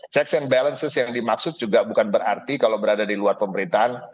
checks and balances yang dimaksud juga bukan berarti kalau berada di luar pemerintahan